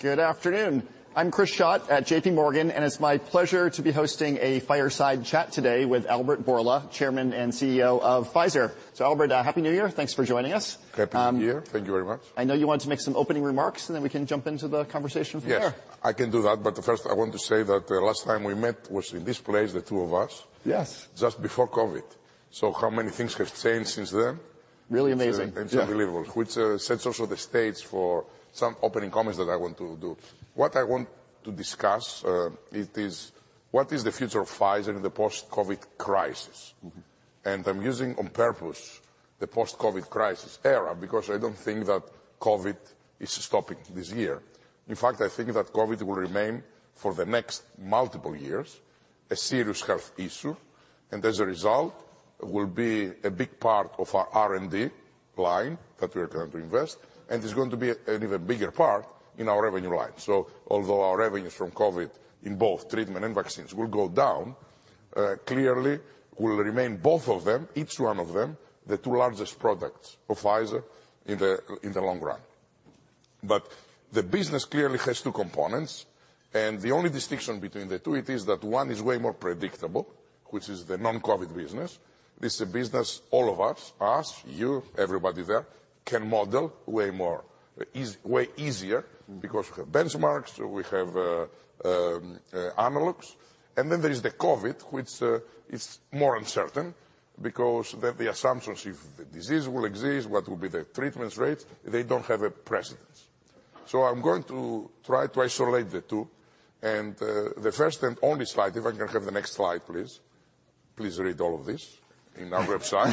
Good afternoon. I'm Chris Schott at J.P. Morgan, it's my pleasure to be hosting a fireside chat today with Albert Bourla, Chairman and CEO of Pfizer. Albert, happy New Year. Thanks for joining us. Happy New Year. Thank you very much. I know you wanted to make some opening remarks, and then we can jump into the conversation from there. Yes, I can do that. First I want to say that the last time we met was in this place, the two of us. Yes... just before COVID. How many things have changed since then? Really amazing. Yeah. It's unbelievable. Which sets also the stage for some opening comments that I want to do. What I want to discuss, it is what is the future of Pfizer in the post-COVID crisis. Mm-hmm. I'm using on purpose the post-COVID crisis era because I don't think that COVID is stopping this year. In fact, I think that COVID will remain for the next multiple years a serious health issue, and as a result will be a big part of our R&D line that we are going to invest, and is going to be an even bigger part in our revenue line. Although our revenues from COVID in both treatment and vaccines will go down, clearly will remain both of them, each one of them, the two largest products of Pfizer in the, in the long run. The business clearly has two components, and the only distinction between the two, it is that one is way more predictable, which is the non-COVID business. This is a business all of us, you, everybody there, can model way more, is way easier because we have benchmarks, we have analogs. Then there is the COVID, which is more uncertain because the assumptions if the disease will exist, what will be the treatments rates, they don't have a precedence. I'm going to try to isolate the two and the 1st and only slide, if I can have the next slide, please. Please read all of this in our website.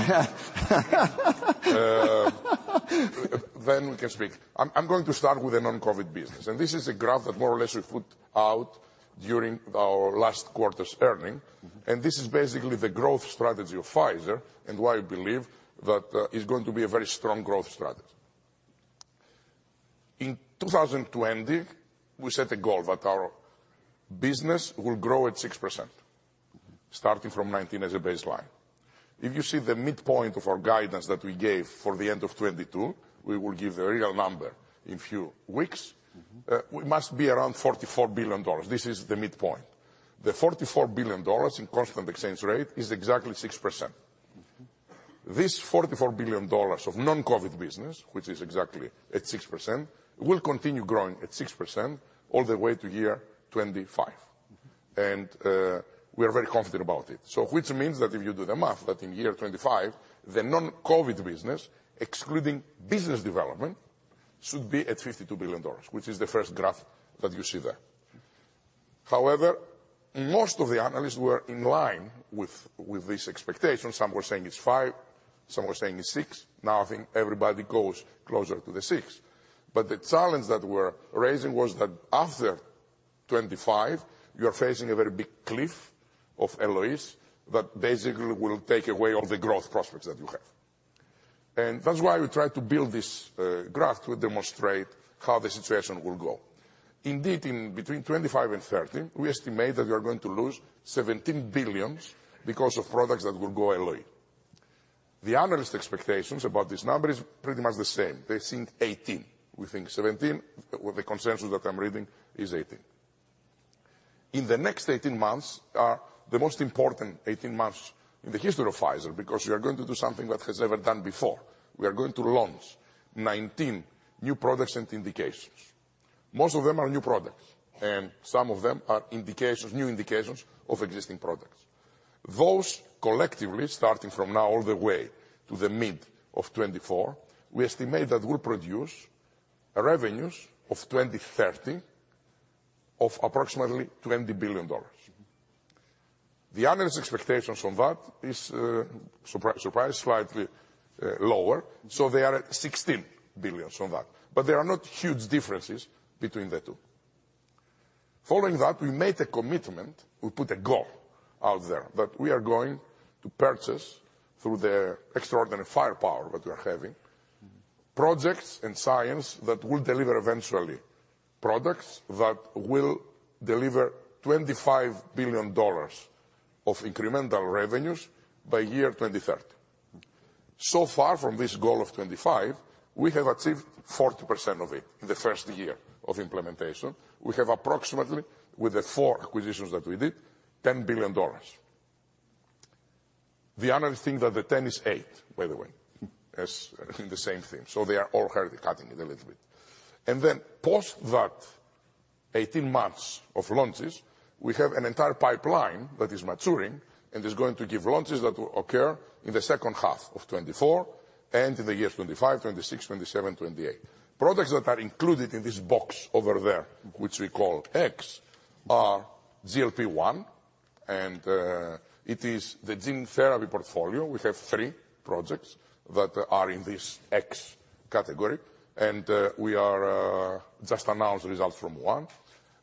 Then we can speak. I'm going to start with the non-COVID business, and this is a graph that more or less we put out during our last quarter's earning. Mm-hmm. This is basically the growth strategy of Pfizer and why I believe that is going to be a very strong growth strategy. In 2020, we set a goal that our business will grow at 6%, starting from 2019 as a baseline. If you see the midpoint of our guidance that we gave for the end of 2022, we will give the real number in few weeks. Mm-hmm. We must be around $44 billion. This is the midpoint. The $44 billion in constant exchange rate is exactly 6%. Mm-hmm. This $44 billion of non-COVID business, which is exactly at 6%, will continue growing at 6% all the way to year 2025. Mm-hmm. We are very confident about it. Which means that if you do the math, that in year 2025, the non-COVID business, excluding business development, should be at $52 billion, which is the 1st graph that you see there. Most of the analysts were in line with this expectation. Some were saying it's $5 billion, some were saying it's $6 billion. Now I think everybody goes closer to the $6 billion. The challenge that we're raising was that after 2025 you're facing a very big cliff of LOE that basically will take away all the growth prospects that you have. That's why we try to build this graph to demonstrate how the situation will go. Indeed, in between 2025 and 2030, we estimate that we are going to lose $17 billion because of products that will go LOE. The analyst expectations about this number is pretty much the same. They think 18. We think 17. The consensus that I'm reading is 18. In the next 18 months are the most important 18 months in the history of Pfizer because we are going to do something that has ever done before. We are going to launch 19 new products and indications. Most of them are new products and some of them are indications, new indications of existing products. Those collectively, starting from now all the way to the mid of 2024, we estimate that we'll produce revenues of 2030 of approximately $20 billion. Mm-hmm. The analyst expectations from that is, surprise, slightly lower, so they are at $16 billion from that. There are not huge differences between the two. Following that, we made a commitment. We put a goal out there that we are going to purchase through the extraordinary firepower that we are having. Mm-hmm projects and science that will deliver eventually products that will deliver $25 billion of incremental revenues by year 2030. Far from this goal of 2025, we have achieved 40% of it in the 1st year of implementation. We have approximately with the four acquisitions that we did, $10 billion. The analysts think that the 10 is 8, by the way. It's the same thing. They are all hardly cutting it a little bit. Post that 18 months of launches, we have an entire pipeline that is maturing and is going to give launches that will occur in the 2nd half of 2024 and in the year 2025, 2026, 2027, 2028. Products that are included in this box over there, which we call X, are GLP-1 and it is the gene therapy portfolio. We have three projects that are in this X category and, we are, just announced results from one.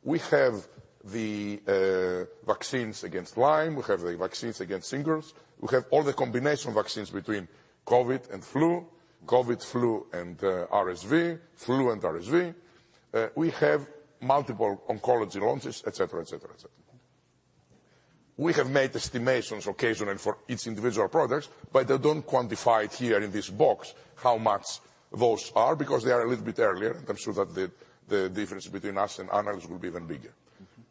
We have the vaccines against Lyme, we have the vaccines against shingles, we have all the combination vaccines between COVID and flu, COVID, flu and RSV, flu and RSV. We have multiple oncology launches, et cetera, et cetera, et cetera. We have made estimations occasionally for each individual products, but they don't quantify it here in this box how much those are because they are a little bit earlier. I'm sure that the difference between us and others will be even bigger.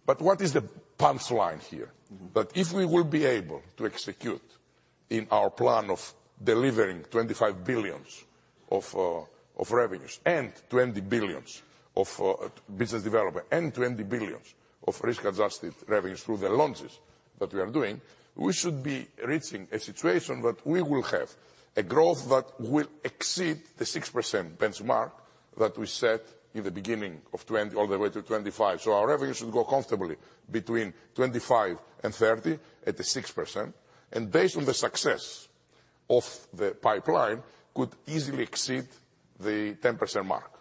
What is the punchline here? Mm-hmm. If we will be able to execute in our plan of delivering $25 billion of revenues, $20 billion of business development, and $20 billion of risk-adjusted revenues through the launches that we are doing, we should be reaching a situation that we will have a growth that will exceed the 6% benchmark that we set in the beginning of 2020, all the way to 2025. Our revenues should go comfortably between $25 billion and $30 billion at the 6%. Based on the success of the pipeline, could easily exceed the 10% mark.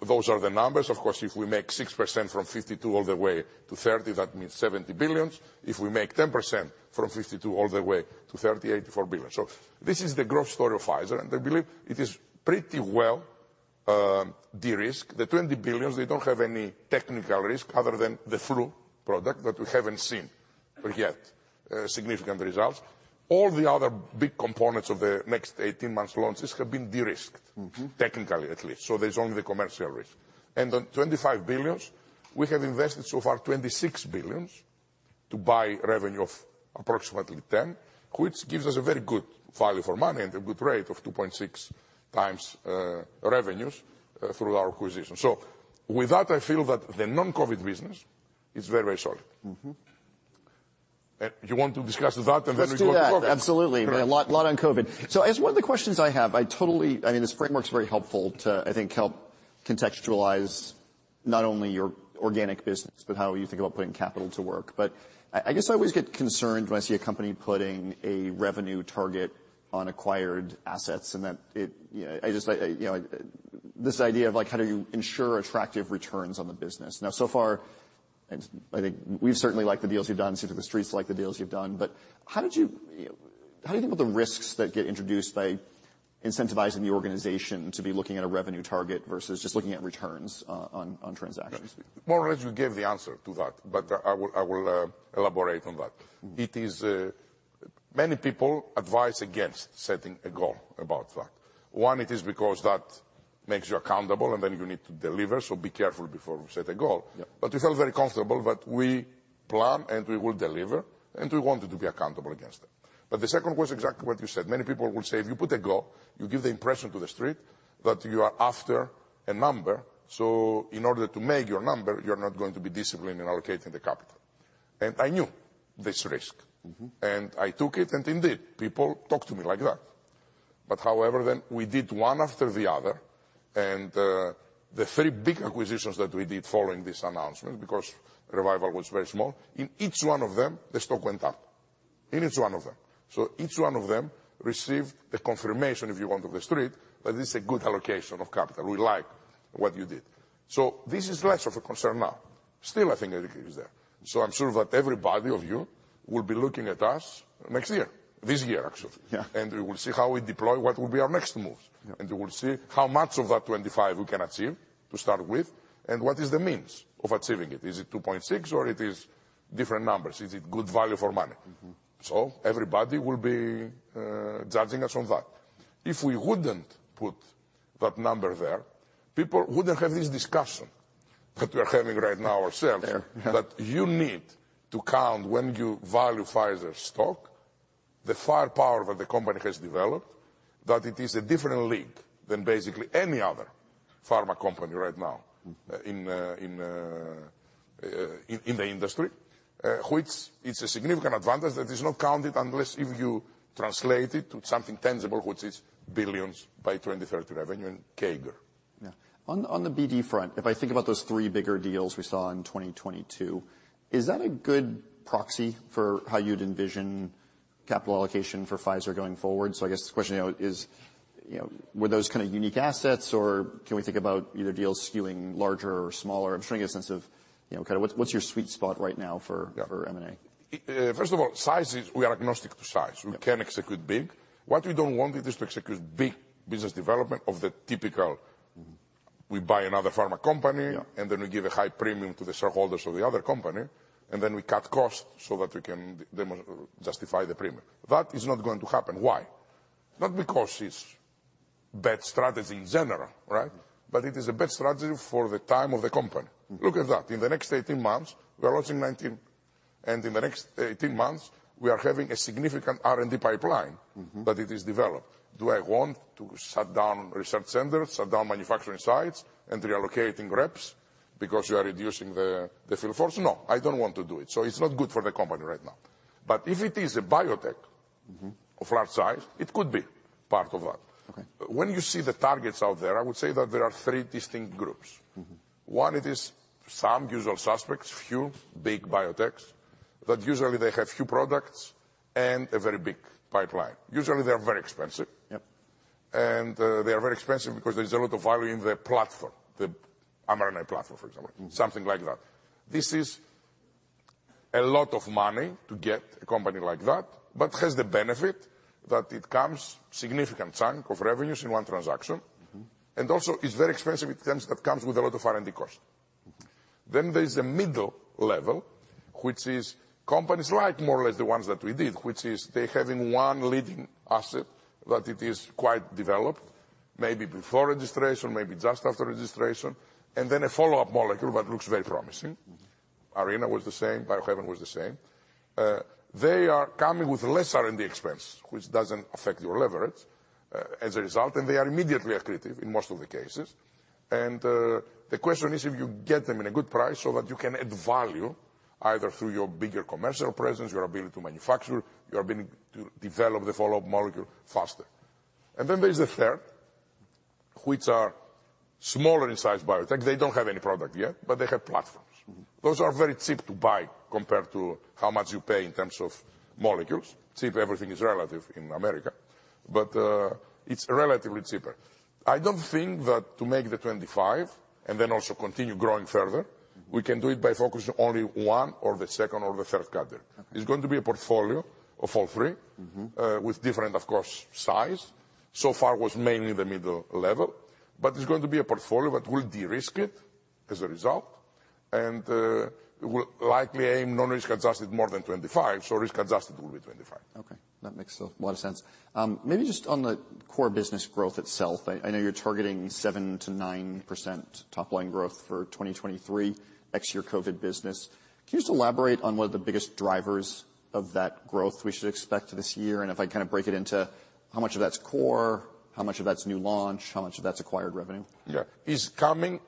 Those are the numbers. Of course, if we make 6% from $52 billion all the way to 2030, that means $70 billion. If we make 10% from $52 billion all the way to 2030, $84 billion. This is the growth story of Pfizer, and I believe it is pretty well de-risked. The $20 billion, they don't have any technical risk other than the flu product that we haven't seen yet, significant results. All the other big components of the next 18 months launches have been de-risked. Mm-hmm... technically at least, so there's only the commercial risk. The $25 billion, we have invested so far $26 billion to buy revenue of approximately $10 billion, which gives us a very good value for money and a good rate of 2.6x revenues through our acquisition. With that, I feel that the non-COVID business is very, very solid. Mm-hmm. You want to discuss that then we go to COVID? Let's do that. Absolutely. A lot on COVID. As one of the questions I have, I mean, this framework's very helpful to, I think, help contextualize not only your organic business, but how you think about putting capital to work. I guess I always get concerned when I see a company putting a revenue target on acquired assets, and that it, you know, I just like, you know... This idea of, like, how do you ensure attractive returns on the business? Now, so far, I think we've certainly liked the deals you've done. It seems like the Street like the deals you've done. How do you think about the risks that get introduced by incentivizing the organization to be looking at a revenue target versus just looking at returns on transactions? More or less you gave the answer to that, but I will elaborate on that. Mm-hmm. It is, many people advise against setting a goal about that. One, it is because that makes you accountable, and then you need to deliver, so be careful before you set a goal. Yeah. I feel very comfortable that we plan, and we will deliver, and we wanted to be accountable against it. The 2nd was exactly what you said. Many people will say if you put a goal, you give the impression to the street that you are after a number. In order to make your number, you're not going to be disciplined in allocating the capital. I knew this risk. Mm-hmm. I took it, and indeed, people talk to me like that. However, then we did one after the other. The three big acquisitions that we did following this announcement, because ReViral was very small, in each one of them the stock went up. In each one of them. Each one of them received the confirmation, if you want, of the street, that this is a good allocation of capital. We like what you did. This is less of a concern now. Still I think it is there. I'm sure that everybody of you will be looking at us next year, this year actually. Yeah. We will see how we deploy what will be our next moves. Yeah. We will see how much of that $25 we can achieve to start with, and what is the means of achieving it. Is it $2.6, or it is different numbers? Is it good value for money? Mm-hmm. Everybody will be judging us on that. If we wouldn't put that number there, people wouldn't have this discussion that we're having right now ourselves. Yeah. That you need to count when you value Pfizer's stock, the firepower that the company has developed, that it is a different league than basically any other pharma company right now. Mm-hmm in the industry. Which it's a significant advantage that is not counted unless if you translate it to something tangible, which is billions by 2030 revenue and CAGR. Yeah. On the BD front, if I think about those three bigger deals we saw in 2022, is that a good proxy for how you'd envision capital allocation for Pfizer going forward? I guess the question, you know, is, you know, were those kind of unique assets, or can we think about either deals skewing larger or smaller? I'm just trying to get a sense of, you know, kind of what's your sweet spot right now. Yeah... for M&A. First of all, sizes, we are agnostic to size. Yeah. We can execute big. What we don't want is to execute big business development of the typical we buy another pharma company. Yeah... and then we give a high premium to the shareholders of the other company, and then we cut costs so that we can justify the premium. That is not going to happen. Why? Not because it's bad strategy in general, right? Mm-hmm. It is a bad strategy for the time of the company. Mm-hmm. Look at that. In the next 18 months, we're launching 19. In the next 18 months we are having a significant R&D pipeline. Mm-hmm It is developed. Do I want to shut down research centers, shut down manufacturing sites and reallocating reps because you are reducing the field force? No, I don't want to do it. It's not good for the company right now. If it is a biotech- Mm-hmm of large size, it could be part of that. Okay. When you see the targets out there, I would say that there are three distinct groups. Mm-hmm. One, it is some usual suspects, few big biotechs. Usually they have few products and a very big pipeline. Usually they're very expensive. Yep. They are very expensive because there's a lot of value in the platform, the mRNA platform, for example. Mm-hmm. Something like that. This is a lot of money to get a company like that, has the benefit. That it comes significant chunk of revenues in one transaction. Mm-hmm. Also is very expensive with things that comes with a lot of R&D costs. There's the middle level, which is companies like more or less the ones that we did, which is they have in one leading asset that it is quite developed, maybe before registration, maybe just after registration, and then a follow-up molecule that looks very promising. Mm-hmm. Arena was the same, Biohaven was the same. They are coming with less R&D expense, which doesn't affect your leverage as a result. They are immediately accretive in most of the cases. The question is if you get them in a good price so that you can add value, either through your bigger commercial presence, your ability to manufacture, your ability to develop the follow-up molecule faster. There's the 3rd, which are smaller in size biotech. They don't have any product yet, but they have platforms. Mm-hmm. Those are very cheap to buy compared to how much you pay in terms of molecules. See, everything is relative in America. It's relatively cheaper. I don't think that to make the 25% and then also continue growing further. Mm-hmm ...we can do it by focusing only one or the 2nd or the 3rd quarter. Okay. It's going to be a portfolio of all three. Mm-hmm ...with different, of course, size. So far was mainly the middle level. It's going to be a portfolio that will de-risk it as a result, and will likely aim non-risk adjusted more than 25%, so risk-adjusted will be 25%. Okay, that makes a lot of sense. Maybe just on the core business growth itself. I know you're targeting 7%-9% top line growth for 2023, ex your COVID business. Can you just elaborate on what are the biggest drivers of that growth we should expect this year? If I kind of break it into how much of that's core, how much of that's new launch, how much of that's acquired revenue? Yeah. Is coming,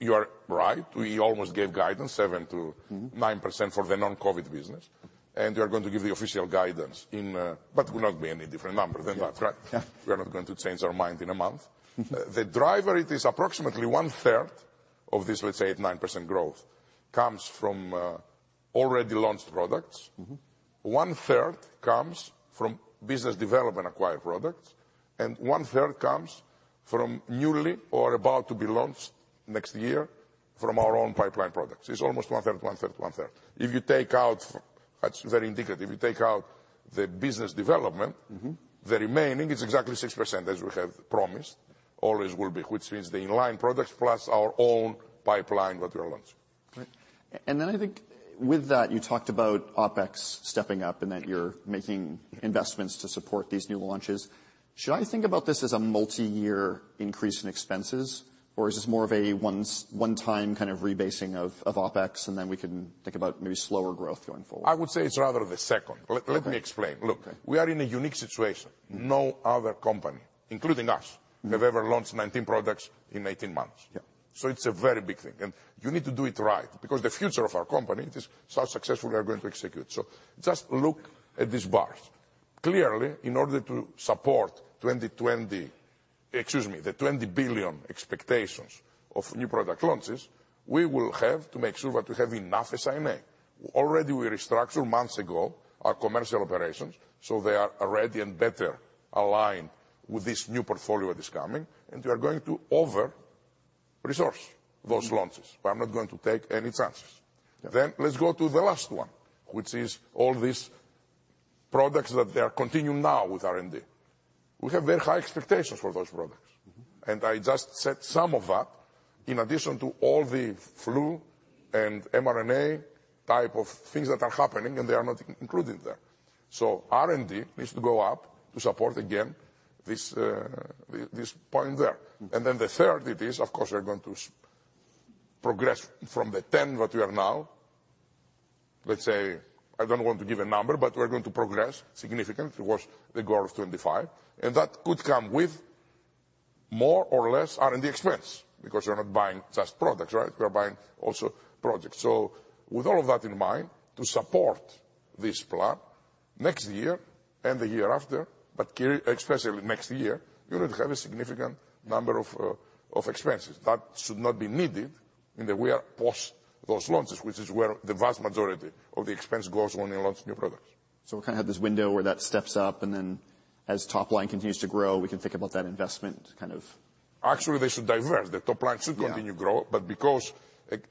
you are right. We almost gave guidance 75- Mm-hmm ...9% for the non-COVID business. We are going to give the official guidance in, but will not be any different number than that, right? Yeah. We are not going to change our mind in a month. The driver, it is approximately 1/3 of this, let's say, at 9% growth, comes from already launched products. Mm-hmm. One-3rd comes from business development acquired products, 1/3 comes from newly or about to be launched next year from our own pipeline products. It's almost 1/3, 1/3, 1/3. If you take out That's very indicative. If you take out the business development. Mm-hmm ...the remaining is exactly 6%, as we have promised. Always will be, which means the in-line products plus our own pipeline that we are launching. Right. I think with that, you talked about OPEX stepping up and that you're making investments to support these new launches. Should I think about this as a multi-year increase in expenses, or is this more of a one-time kind of rebasing of OPEX, and then we can think about maybe slower growth going forward? I would say it's rather the 2nd. Let me explain. Okay. Look, we are in a unique situation. Mm-hmm. No other company, including us- Mm-hmm ...have ever launched 19 products in 18 months. Yeah. It's a very big thing, and you need to do it right, because the future of our company is how successful we are going to execute. Just look at these bars. Clearly, in order to support, excuse me, the $20 billion expectations of new product launches, we will have to make sure that we have enough SMA. Already we restructure months ago our commercial operations, so they are ready and better aligned with this new portfolio that is coming, and we are going to over-resource those launches. I'm not going to take any chances. Yeah. Let's go to the last one, which is all these products that they continue now with R&D. We have very high expectations for those products. Mm-hmm. I just said some of that, in addition to all the flu and mRNA type of things that are happening, they are not included there. R&D needs to go up to support again this point there. Mm-hmm. The 3rd it is, of course, we are going to progress from the 10% that we are now, let's say, I don't want to give a number, but we are going to progress significantly towards the goal of 25%. That could come with more or less R&D expense, because we are not buying just products, right? We are buying also projects. With all of that in mind, to support this plan next year and the year after, especially next year, you're going to have a significant number of expenses that should not be needed in the way of post those launches, which is where the vast majority of the expense goes when you launch new products. we kind of have this window where that steps up, and then as top line continues to grow, we can think about that investment. Actually, they should diverge. The top line should continue grow. Yeah. Because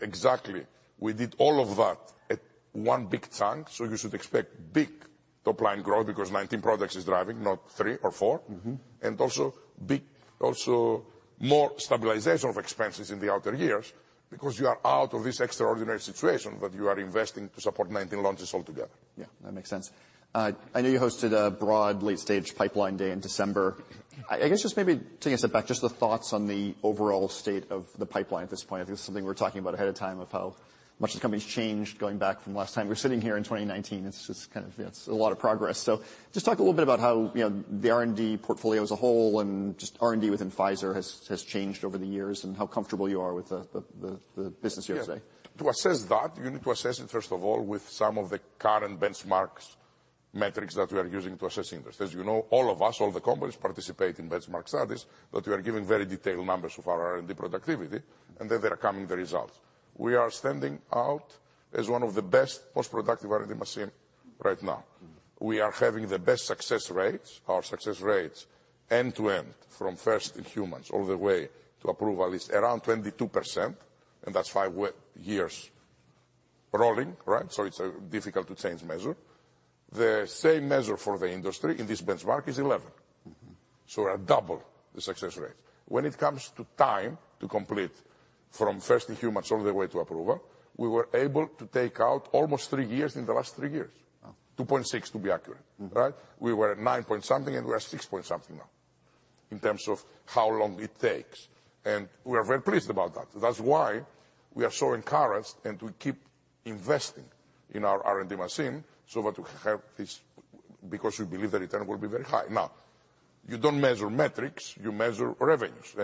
exactly, we did all of that at one big chunk. You should expect big top-line growth because 19 products is driving, not three or four. Mm-hmm. Also big, also more stabilization of expenses in the outer years because you are out of this extraordinary situation that you are investing to support 19 launches altogether. Yeah, that makes sense. I know you hosted a broad late-stage pipeline day in December. I guess just maybe taking a step back, just the thoughts on the overall state of the pipeline at this point. I think it's something we're talking about ahead of time of how much this company's changed going back from last time. We're sitting here in 2019. It's just kind of, you know, it's a lot of progress. Just talk a little bit about how, you know, the R&D portfolio as a whole and just R&D within Pfizer has changed over the years and how comfortable you are with the business here today. Yeah. To assess that, you need to assess it, 1st of all, with some of the current benchmarks metrics that we are using to assessing this. As you know, all of us, all the companies participate in benchmark studies. We are giving very detailed numbers of our R&D productivity. There are coming the results. We are standing out as one of the best, most productive R&D machine right now. Mm-hmm. We are having the best success rates. Our success rates end to end, from 1st in humans all the way to approval, is around 22%. That's five years rolling, right? It's a difficult to change measure. The same measure for the industry in this benchmark is 11. Mm-hmm. We're double the success rate. When it comes to time to complete from 1st in humans all the way to approval, we were able to take out almost three years in the last three years. Wow. 2.6 to be accurate. Mm-hmm. Right? We were at nine point something, and we are sixpoint something now in terms of how long it takes, and we are very pleased about that. That's why we are so encouraged to keep investing in our R&D machine so that we have because we believe the return will be very high. Now, you don't measure metrics, you measure revenues.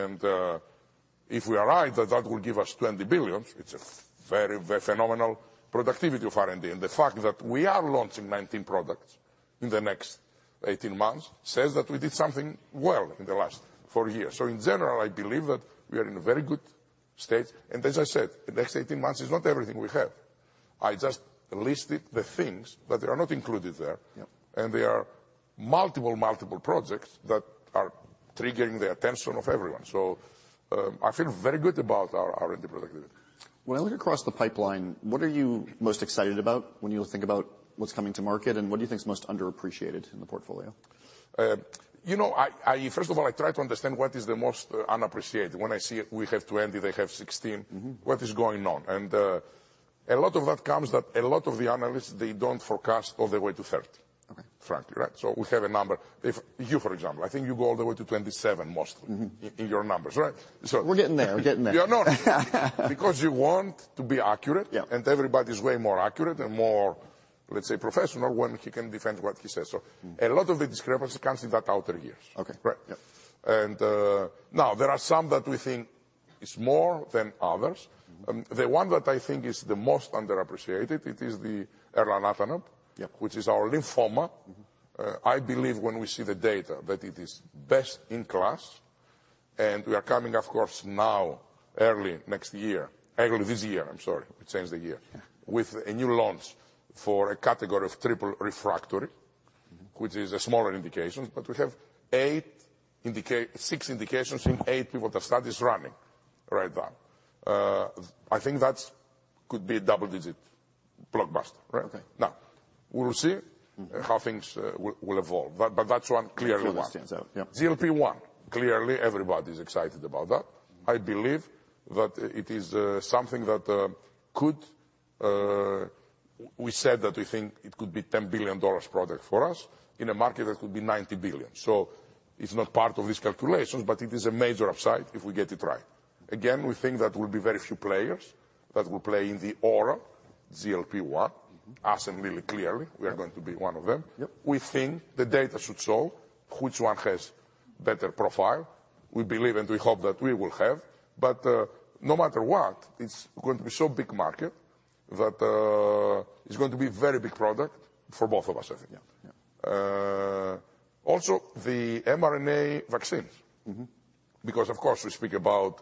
If we arrive that that will give us $20 billion, it's a very phenomenal productivity of R&D. The fact that we are launching 19 products in the next 18 months says that we did something well in the last four years. In general, I believe that we are in a very good state. As I said, the next 18 months is not everything we have. I just listed the things that they are not included there. Yeah. There are multiple projects that are triggering the attention of everyone. I feel very good about our R&D productivity. When I look across the pipeline, what are you most excited about when you think about what's coming to market, and what do you think is most underappreciated in the portfolio? You know, I 1st of all, I try to understand what is the most unappreciated. When I see we have 20, they have 16. Mm-hmm ...what is going on? a lot of that comes that a lot of the analysts, they don't forecast all the way to thirty- Okay ...frankly, right? We have a number. If you, for example, I think you go all the way to 27 mostly- Mm-hmm in your numbers, right? We're getting there. You are not. You want to be accurate. Yeah ...and everybody's way more accurate and more, let's say, professional when he can defend what he says. Mm-hmm A lot of the discrepancy comes in that outer years. Okay. Right? Yeah. Now there are some that we think is more than others. Mm-hmm. The one that I think is the most underappreciated, it is the elranatamab- Yeah which is our lymphoma. Mm-hmm. I believe when we see the data that it is best in class and we are coming, of course, now early next year. Early this year, I'm sorry. We change the year. Yeah. With a new launch for a category of triple refractory- Mm-hmm ...which is a smaller indication. We have six indications in eight people that study is running right now. I think that's could be a double-digit blockbuster, right? Okay. Now, we will see- Mm-hmm ...how things will evolve, but that's one clearly one. Clearly stands out, yeah. GLP-1, clearly everybody's excited about that. Mm-hmm. I believe that it is something that could. We said that we think it could be a $10 billion product for us in a market that could be $90 billion. It's not part of these calculations, but it is a major upside if we get it right. We think that will be very few players that will play in the oral GLP-1. Mm-hmm. Us and Lilly, clearly, we are going to be one of them. Yep. We think the data should show which one has better profile. We believe and we hope that we will have. No matter what, it's going to be so big market that, it's going to be very big product for both of us, I think. Yeah. Yeah. also the mRNA vaccines. Mm-hmm. Of course, we speak about.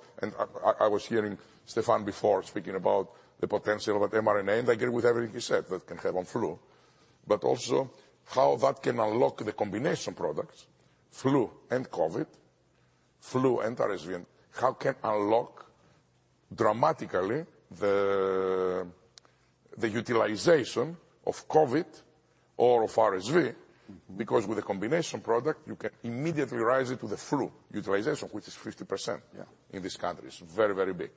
I was hearing Stéphane before speaking about the potential of mRNA, and I agree with everything he said that can have on flu. Also how that can unlock the combination products, flu and COVID, flu and RSV, and how can unlock dramatically the utilization of COVID or of RSV. Mm-hmm ...because with a combination product you can immediately rise it to the flu utilization, which is 50% Yeah ...in these countries. Very, very big.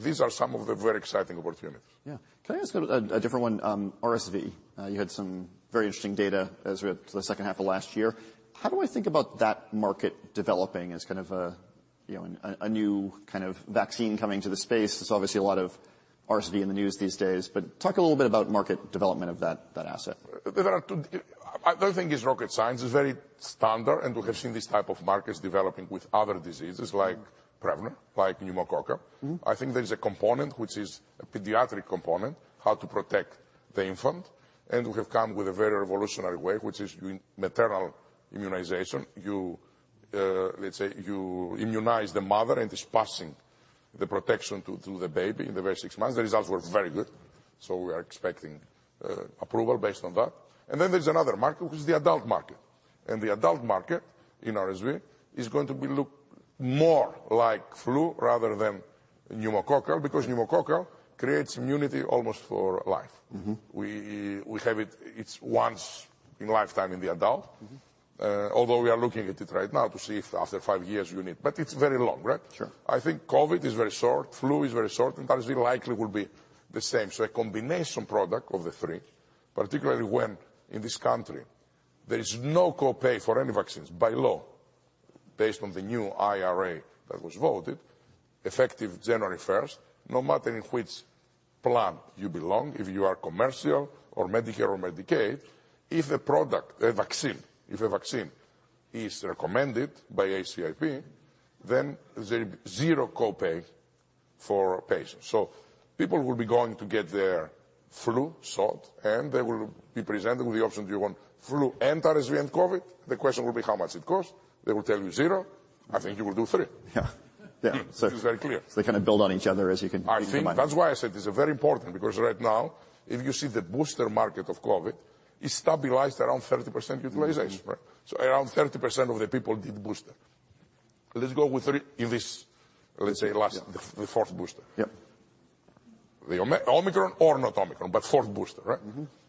These are some of the very exciting opportunities. Yeah. Can I ask a different one? RSV, you had some very interesting data as we had the 2nd half of last year. How do I think about that market developing as kind of a, you know, a new kind of vaccine coming to the space? There's obviously a lot of RSV in the news these days. Talk a little bit about market development of that asset. I don't think it's rocket science. It's very standard, and we have seen these type of markets developing with other diseases like Prevnar, like Pneumococcal. Mm-hmm. I think there is a component which is a pediatric component, how to protect the infant, and we have come with a very revolutionary way, which is maternal immunization. You, let's say you immunize the mother and it's passing the protection to the baby in the very six months. The results were very good, so we are expecting approval based on that. Then there's another market, which is the adult market. The adult market in RSV is going to be look more like flu rather than Pneumococcal, because Pneumococcal creates immunity almost for life. Mm-hmm. We have it's once in lifetime in the adult. Mm-hmm. Although we are looking at it right now to see if after five years you need... It's very long, right? Sure. I think COVID is very short, flu is very short, and RSV likely will be the same. A combination product of the three, particularly when in this country there is no co-pay for any vaccines by law, based on the new IRA that was voted effective January 1st, no matter in which plan you belong, if you are commercial or Medicare or Medicaid, if the vaccine is recommended by ACIP, then there zero co-pay for patients. People will be going to get their flu shot and they will be presented with the option, "Do you want flu and RSV and COVID?" The question will be how much it costs. They will tell you zero. I think you will do three. Yeah. Yeah. It is very clear. They kinda build on each other as you. I think that's why I said it's very important because right now if you see the booster market of COVID, it's stabilized around 30% utilization. Right. Around 30% of the people did booster. Let's go with if it's, let's say, last. Yeah the 4th booster. Yeah. The Omicron or not Omicron, but 4th booster, right?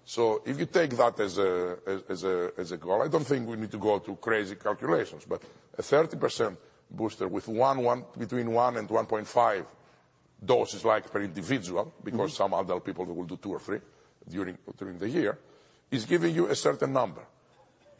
Mm-hmm. If you take that as a goal, I don't think we need to go to crazy calculations, but a 30% booster with between one and 1.5 doses like per individual... Mm-hmm... because some adult people will do two or three during the year, is giving you a certain number.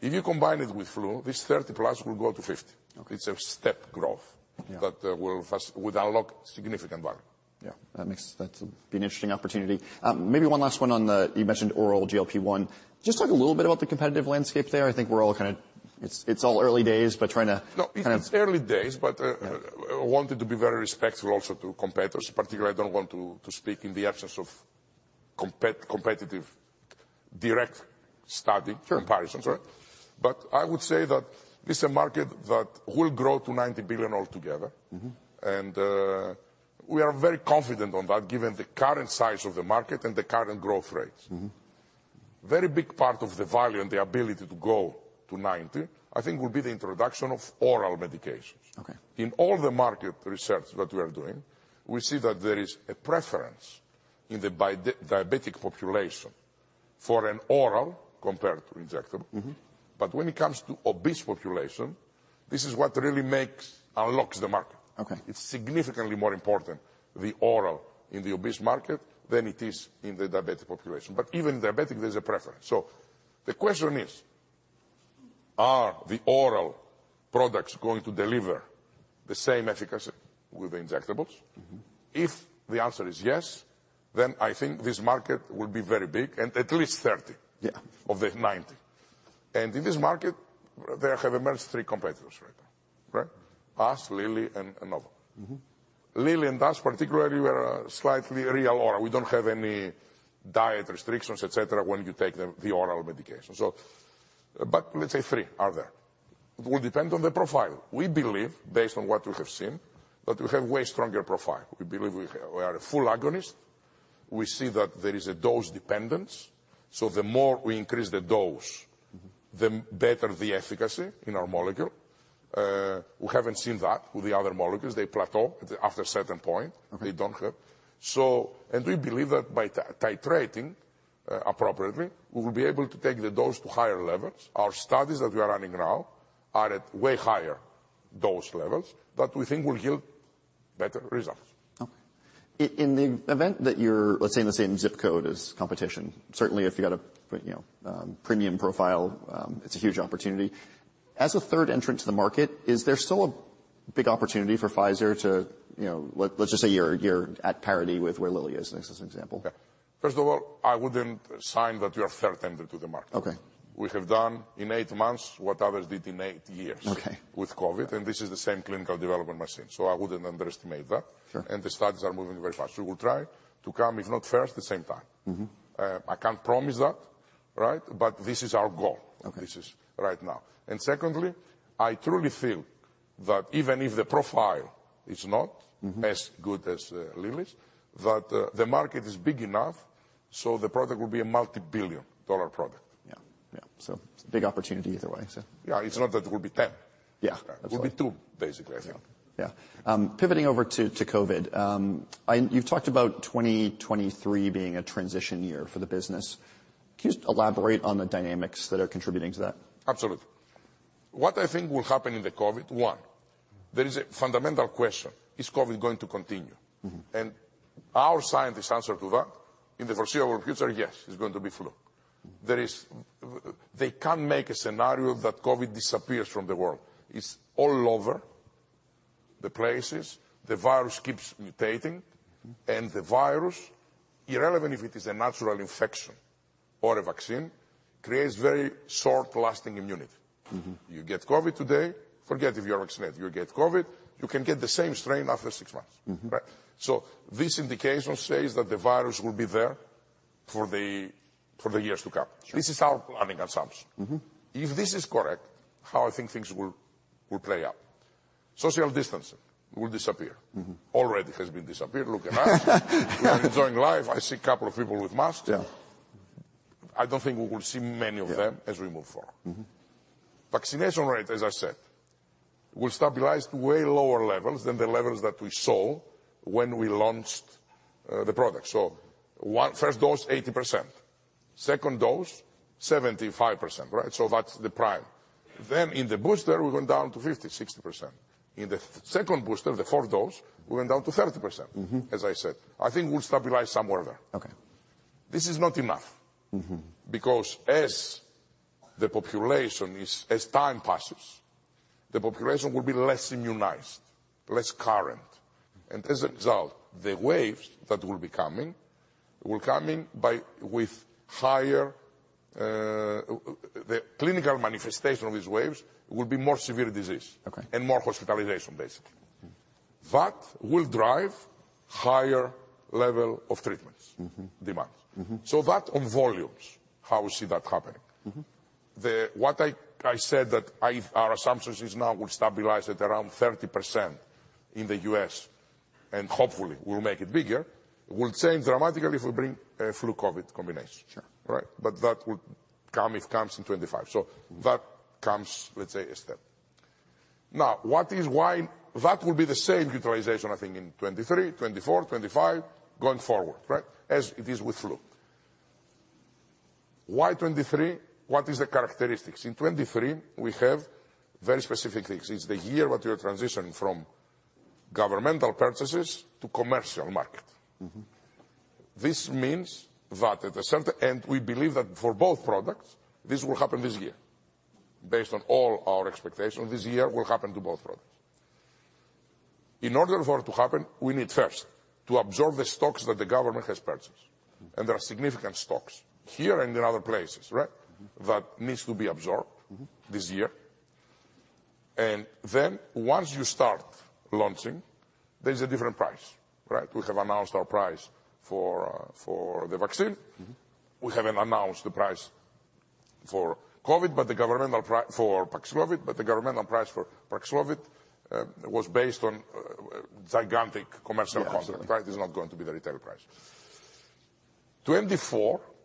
If you combine it with flu, this 30+ will go to 50. Okay. It's a step growth- Yeah that would unlock significant value. Yeah. That's an interesting opportunity. maybe one last one on the... You mentioned oral GLP-1. Just talk a little bit about the competitive landscape there. I think we're all kinda... It's all early days, but No. It's early days, but I wanted to be very respectful also to competitors. Particularly, I don't want to speak in the absence of competitive direct study. Sure... comparisons. Right? I would say that this is a market that will grow to $90 billion altogether. Mm-hmm. We are very confident on that given the current size of the market and the current growth rates. Mm-hmm. Very big part of the value and the ability to grow to $90 billion I think will be the introduction of oral medications. Okay. In all the market research that we are doing, we see that there is a preference in the diabetic population for an oral compared to injectable. Mm-hmm. When it comes to obese population, this is what really unlocks the market. Okay. It's significantly more important, the oral in the obese market, than it is in the diabetic population. Even diabetic there's a preference. The question is, are the oral products going to deliver the same efficacy with the injectables? Mm-hmm. If the answer is yes, then I think this market will be very big, and at least $30 billion- Yeah... of the $90 billion. In this market there have emerged three competitors right now, right? Us, Lilly, and Novo Nordisk. Mm-hmm. Lilly and us particularly were slightly real, or we don't have any diet restrictions, et cetera, when you take them, the oral medication. Let's say three are there. Will depend on the profile. We believe, based on what we have seen, that we have way stronger profile. We believe we are a full agonist. We see that there is a dose dependence, so the more we increase the dose. Mm-hmm... the better the efficacy in our molecule. We haven't seen that with the other molecules. They plateau after a certain point. Okay. We believe that by titrating appropriately, we will be able to take the dose to higher levels. Our studies that we are running now are at way higher dose levels that we think will yield better results. Okay. In the event that you're, let's say, in the same zip code as competition, certainly if you got a, you know, premium profile, it's a huge opportunity. As a 3rd entrant to the market, is there still a big opportunity for Pfizer to, you know? Let's just say you're at parity with where Lilly is as an example. First of all, I wouldn't sign that we are 3rd entrant to the market. Okay. We have done in eight months what others did in eight years. Okay with COVID, and this is the same clinical development machine, so I wouldn't underestimate that. Sure. The studies are moving very fast. We will try to come, if not 1st, the same time. Mm-hmm. I can't promise that, right? This is our goal. Okay. This is right now. Secondly, I truly feel that even if the profile is not... Mm-hmm... as good as, Lilly's, that, the market is big enough, so the product will be a multi-billion dollar product. Yeah. Yeah, it's a big opportunity either way, so. Yeah, it's not that it will be $10 billion. Yeah. It will be two basically, I think. Yeah. Yeah. Pivoting over to COVID, you've talked about 2023 being a transition year for the business. Can you just elaborate on the dynamics that are contributing to that? Absolutely. What I think will happen in the COVID, one, there is a fundamental question: Is COVID going to continue? Mm-hmm. Our scientists answer to that, in the foreseeable future, yes, it's going to be flu. They can't make a scenario that COVID disappears from the world. It's all over the places. The virus keeps mutating. The virus, irrelevant if it is a natural infection or a vaccine, creates very short-lasting immunity. Mm-hmm. You get COVID today, forget if you are vaccinated, you get COVID, you can get the same strain after six months. Mm-hmm. Right? This indication says that the virus will be there for the years to come. Sure. This is our planning assumption. Mm-hmm. If this is correct, how I think things will play out. Social distancing will disappear. Mm-hmm. Already has been disappeared. Look at us. We are enjoying life. I see a couple of people with masks. Yeah. I don't think we will see many of them. Yeah ...as we move forward. Mm-hmm. Vaccination rate, as I said, will stabilize to way lower levels than the levels that we saw when we launched, the product. First dose, 80%. Second dose, 75%, right? That's the prime. In the booster we went down to 50%, 60%. In the 2nd booster, the 4th dose, we went down to 30%. Mm-hmm as I said. I think we'll stabilize somewhere there. Okay. This is not enough. Mm-hmm because as the population as time passes, the population will be less immunized, less current. As a result, the waves that will be coming will come in by, with higher. The clinical manifestation of these waves will be more severe disease. Okay More hospitalization, basically. Mm-hmm. That will drive higher level of treatments. Mm-hmm... demand. Mm-hmm. That, on volumes, how we see that happening. Mm-hmm. What I said that our assumptions is now we stabilize at around 30% in the U.S., and hopefully, we'll make it bigger. Will it change dramatically if we bring a flu COVID combination? Sure. Right. That would come, it comes in 2025. That comes, let's say, a step. What is why... That will be the same utilization, I think, in 2023, 2024, 2025, going forward, right? As it is with flu. Why 2023? What is the characteristics? In 2023, we have very specific things. It's the year that we are transitioning from governmental purchases to commercial market. Mm-hmm. This means that at the center. We believe that for both products, this will happen this year. Based on all our expectations, this year will happen to both products. In order for it to happen, we need 1st to absorb the stocks that the government has purchased. There are significant stocks here and in other places, right? Mm-hmm. That needs to be absorbed... Mm-hmm ...this year. Once you start launching, there's a different price, right? We have announced our price for the vaccine. Mm-hmm. We haven't announced the price for COVID, but the governmental price for Paxlovid was based on gigantic commercial contract. Yeah. Right? It's not going to be the retail price.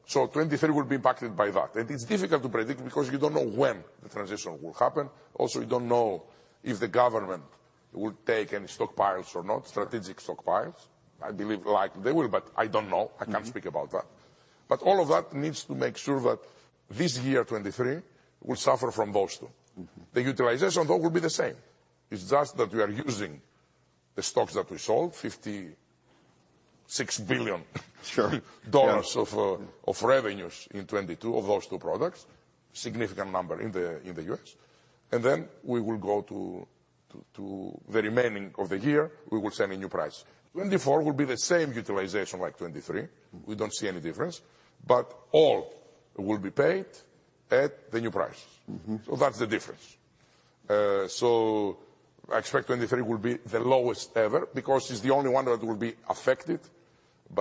2023 will be impacted by that. It's difficult to predict because you don't know when the transition will happen. Also, you don't know if the government will take any stockpiles or not, strategic stockpiles. I believe likely they will, but I don't know. Mm-hmm. I can't speak about that. All of that needs to make sure that this year, 2023, will suffer from both too. Mm-hmm. The utilization though will be the same. It's just that we are using the stocks that we sold, $56 billion- Sure. Yeah ...of revenues in 2022 of those two products. Significant number in the U.S. We will go to the remaining of the year, we will set a new price. 2024 will be the same utilization like 2023. Mm-hmm. We don't see any difference. All will be paid at the new price. Mm-hmm. That's the difference. I expect 2023 will be the lowest ever because it's the only one that will be affected by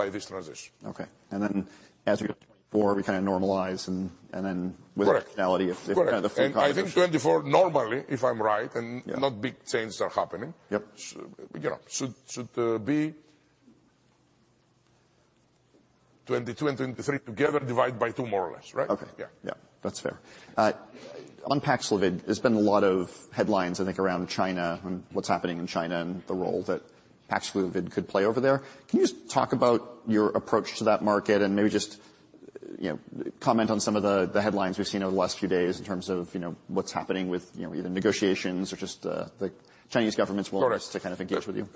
this transition. Okay. Then as we go to 2024, we kinda normalize and then. Correct ...with rationality. Correct ...it's kind of the flu combination. I think 2024, normally, if I'm right. Yeah ...and not big changes are happening... Yep ...you know, should be 2022 and 2023 together divided by two more or less, right? Okay. Yeah. Yeah. That's fair. On Paxlovid, there's been a lot of headlines, I think, around China and what's happening in China and the role that Paxlovid could play over there. Can you just talk about your approach to that market and maybe just, you know, comment on some of the headlines we've seen over the last few days in terms of, you know, what's happening with, you know, either negotiations or just the Chinese government's willingness? Correct ...to kind of engage with you?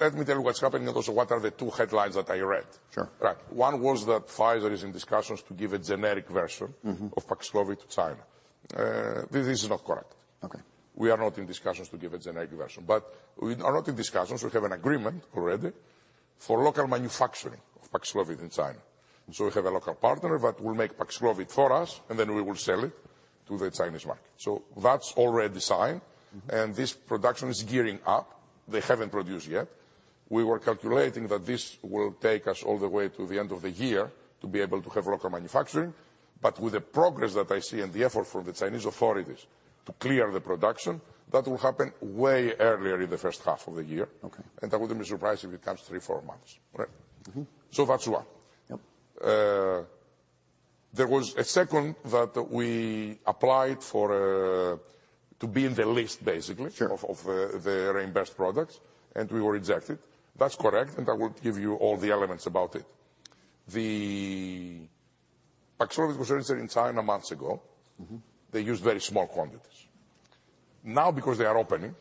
Let me tell you what's happening and also what are the two headlines that I read. Sure. Right. One was that Pfizer is in discussions to give a generic version- Mm-hmm of Paxlovid to China. This is not correct. Okay. We are not in discussions to give a generic version. We are not in discussions, we have an agreement already for local manufacturing of Paxlovid in China. We have a local partner that will make Paxlovid for us, and then we will sell it to the Chinese market. That's already signed. Mm-hmm. This production is gearing up. They haven't produced yet. We were calculating that this will take us all the way to the end of the year to be able to have local manufacturing. With the progress that I see and the effort from the Chinese authorities to clear the production, that will happen way earlier in the 1st half of the year. Okay. I wouldn't be surprised if it comes three, four months. Right. Mm-hmm. That's one. Yep. There was a 2nd that we applied for, to be in the list basically. Sure ...of the reimbursed products, and we were rejected. That's correct. I will give you all the elements about it. The Paxlovid was registered in China months ago. Mm-hmm. They used very small quantities. Because they are opening,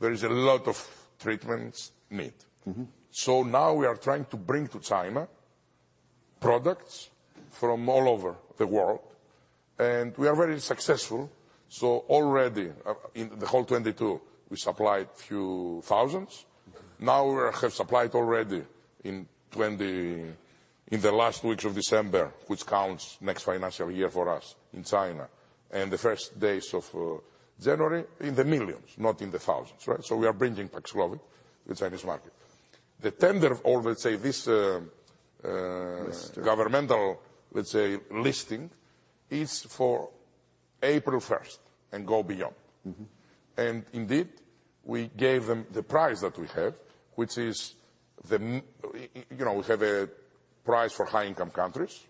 there is a lot of treatments need. Mm-hmm. Now we are trying to bring to China products from all over the world, and we are very successful. Already, in the whole 2022, we supplied few thousands. Mm-hmm. Now we have supplied already in the last weeks of December, which counts next financial year for us in China, and the 1st days of January, in the millions, not in the thousands, right? We are bringing Paxlovid to Chinese market. The tender of all, let's say, this, This- governmental, let's say, listing is for April 1st and go beyond. Mm-hmm. Indeed, we gave them the price that we have, which is the you know, we have a price for high-income countries.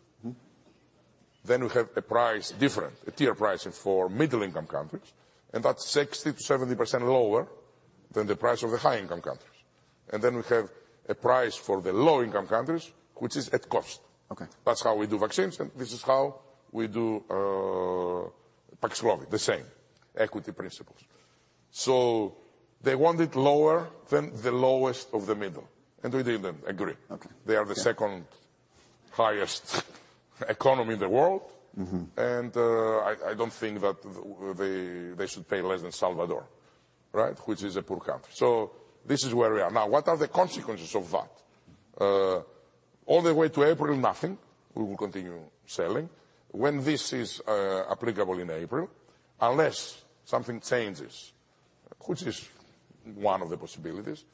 Mm-hmm. We have a price different, a tier pricing for middle-income countries, and that's 60%-70% lower than the price of the high-income countries. We have a price for the low-income countries, which is at cost. Okay. That's how we do vaccines, and this is how we do Paxlovid, the same equity principles. They want it lower than the lowest of the middle, and we didn't agree. Okay. They are the 2nd highest economy in the world. Mm-hmm. I don't think that they should pay less than El Salvador, right? Which is a poor country. This is where we are. Now, what are the consequences of that? All the way to April, nothing. We will continue selling. When this is applicable in April, unless something changes, which is one of the possibilities,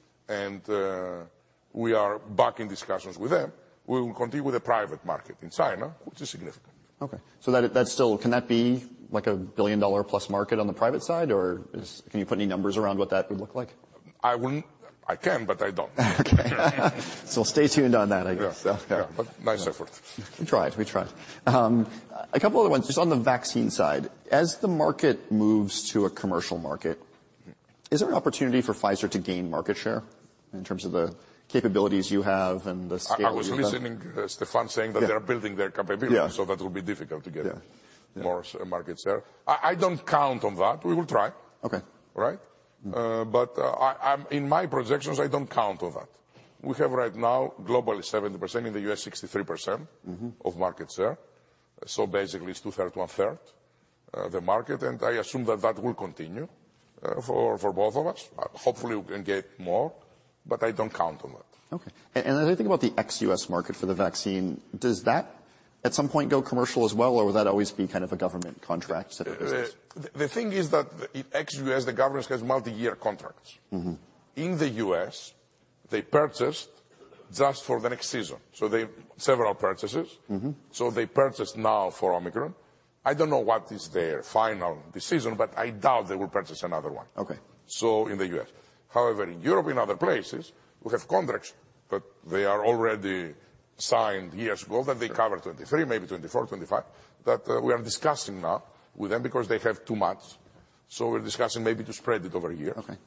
We are back in discussions with them. We will continue with the private market in China, which is significant. Okay. That's still... Can that be like a billion-dollar plus market on the private side? Can you put any numbers around what that would look like? I can, but I don't. Okay. Stay tuned on that, I guess. Yeah. Yeah. Nice effort. We tried. A couple other ones just on the vaccine side. As the market moves to a commercial market. Mm-hmm Is there an opportunity for Pfizer to gain market share in terms of the capabilities you have and the scale you have? I was listening to Stefan saying that- Yeah they are building their capability. Yeah. That will be difficult to get-. Yeah. Yeah. More market share. I don't count on that. We will try. Okay. Right? In my projections, I don't count on that. We have right now globally 70%, in the U.S. 63%- Mm-hmm ...of market share. Basically it's 2/3, 1/3, the market, and I assume that that will continue for both of us. Hopefully we can get more, but I don't count on that. Okay. Another thing about the ex-U.S. market for the vaccine, does that at some point go commercial as well, or will that always be kind of a government contract set of business? The thing is that ex-US, the government has multi-year contracts. Mm-hmm. In the US, they purchased just for the next season. Several purchases. Mm-hmm. They purchased now for Omicron. I don't know what is their final decision, but I doubt they will purchase another one. Okay. In the U.S. However, in Europe, in other places, we have contracts, but they are already signed years ago. Sure that they cover 2023, maybe 2024, 2025, that we are discussing now with them because they have too much. We're discussing maybe to spread it over a year. Okay.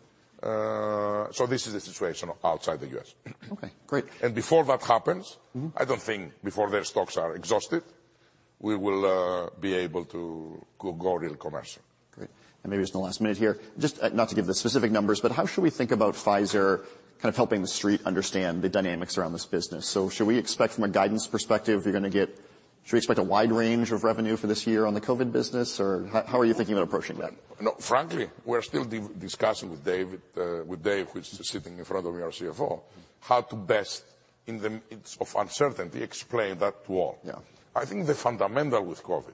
This is the situation outside the U.S. Okay, great. before that happens. Mm-hmm ...I don't think before their stocks are exhausted, we will be able to go real commercial. Great. Maybe just in the last minute here, just, not to give the specific numbers, but how should we think about Pfizer kind of helping the Street understand the dynamics around this business? Should we expect from a guidance perspective, Should we expect a wide range of revenue for this year on the COVID business, or how are you thinking about approaching that? No, frankly, we're still discussing with David, with David, who is sitting in front of me, our CFO, how to best in the midst of uncertainty explain that to all. Yeah. I think the fundamental with COVID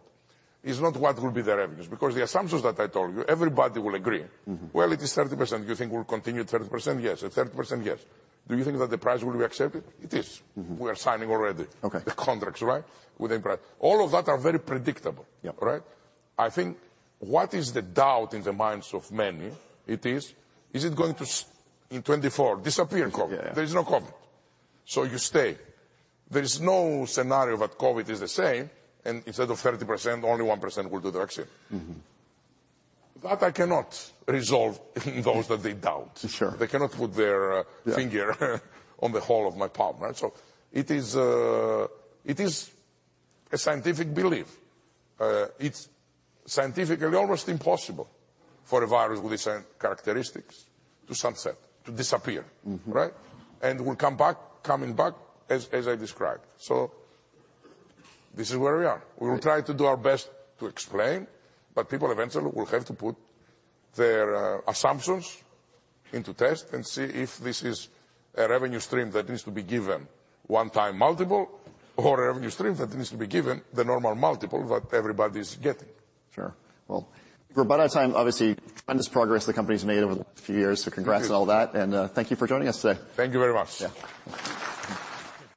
is not what will be the revenues, because the assumptions that I told you, everybody will agree. Mm-hmm. Well, it is 30%. You think we'll continue 30%? Yes. At 30%? Yes. Do you think that the price will be accepted? It is. Mm-hmm. We are signing already. Okay ...the contracts, right? With the price. All of that are very predictable. Yeah. Right? I think what is the doubt in the minds of many, it is it going to in 2024 disappear, COVID? Yeah. There is no COVID, so you stay. There is no scenario that COVID is the same, and instead of 30%, only 1% will do the vaccine. Mm-hmm. That I cannot resolve those that they doubt. Sure. They cannot put their. Yeah finger on the whole of my palm, right? It is a scientific belief. It's scientifically almost impossible for a virus with the same characteristics to sunset, to disappear, right? Mm-hmm. Will come back, coming back as I described. This is where we are. Right. We will try to do our best to explain, but people eventually will have to put their assumptions into test and see if this is a revenue stream that needs to be given one time multiple or a revenue stream that needs to be given the normal multiple that everybody's getting. Sure. Well, we're about out of time. Obviously, tremendous progress the company's made over the last few years- Thank you. ...congrats on all that and, thank you for joining us today. Thank you very much. Yeah.